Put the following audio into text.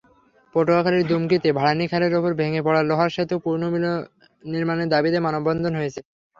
পটুয়াখালীর দুমকিতে ভাড়ানী খালের ওপর ভেঙে পড়া লোহার সেতু পুনর্নির্মাণের দাবিতে মানববন্ধন হয়েছে।